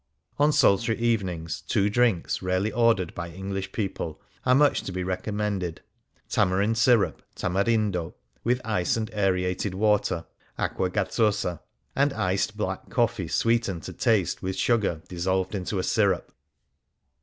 On sultry evenings two drinks rarely ordered by English people are much to be recommended : tamarind syrup (tamarindo) with ice and aerated water (acqua gazzosa), and iced black coffee sweetened to taste with sugar dissolved into a syrup.